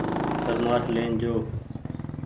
ٿرمآش لين جو۔